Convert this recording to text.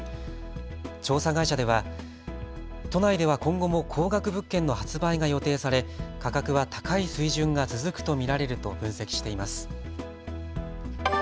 調査会社では都内では今後も高額物件の発売が予定され価格は高い水準が続くと見られると分析しています。